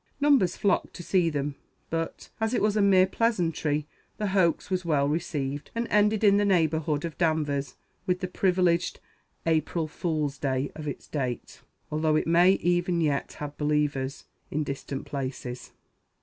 Numbers flocked to see them; but, as it was a mere pleasantry, the hoax was well received, and ended in the neighborhood of Danvers with the privileged "April fool's day" of its date, although it may even yet have believers in distant places.